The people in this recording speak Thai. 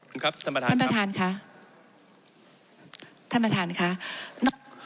คุณครับท่านประธานท่านประธานค่ะท่านประธานค่ะ